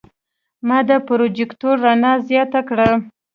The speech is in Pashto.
ما د پروجیکتور رڼا زیاته کړه.